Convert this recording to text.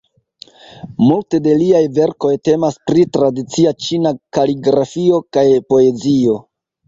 Multe de liaj verkoj temas pri tradicia ĉina kaligrafio kaj poezio.